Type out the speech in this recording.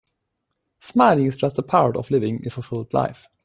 Smiling is just part of living a fulfilled life.